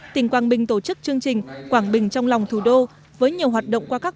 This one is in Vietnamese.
tỉnh quảng bình tổ chức chương trình quảng bình trong lòng thủ đô với nhiều hoạt động qua các